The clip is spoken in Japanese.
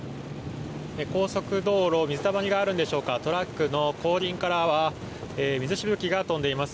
高速道路水たまりがあるんでしょうかトラックの後輪からは水しぶきが飛んでいます。